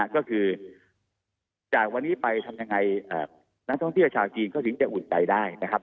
ก็คือจากวันนี้ไปทำยังไงนักท่องเที่ยวชาวจีนก็ถึงจะอุ่นใจได้นะครับ